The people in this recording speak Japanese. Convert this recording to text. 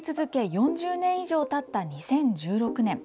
４０年以上たった２０１６年。